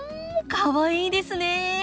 かわいいですね。